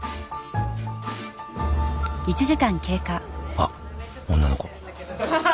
あっ女の子。